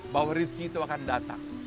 bahwa rizki itu akan datang